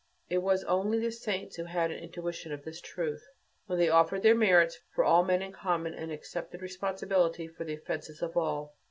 It was only the saints who had an intuition of this truth, when they offered their merits for all men in common and accepted responsibility for the offenses of all.